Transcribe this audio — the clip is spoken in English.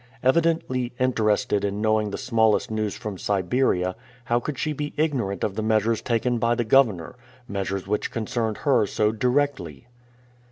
Evidently interested in knowing the smallest news from Siberia, how could she be ignorant of the measures taken by the governor, measures which concerned her so directly?